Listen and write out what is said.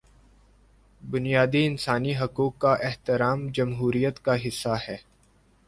بنیادی انسانی حقوق کا احترام جمہوریت کا حصہ ہے۔